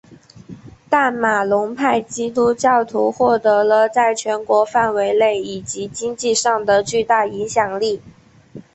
但马龙派基督教徒获得了在全国范围内以及经济上的巨大影响力。